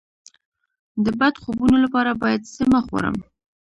د بد خوبونو لپاره باید څه مه خورم؟